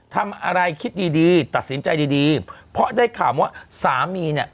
ทำอะไรคิดดีดีตัดสินใจดีดีเพราะได้ข่าวว่าสามีเนี่ย